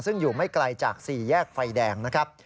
ซึ่งอยู่ไม่ไกลจาก๔แยกไฟแดงนะครับ